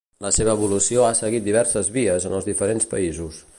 La seva evolució ha seguit diverses vies en els diferents països.